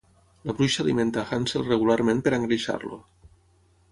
La bruixa alimenta a Hansel regularment per a engreixar-lo.